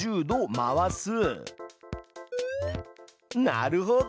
なるほど！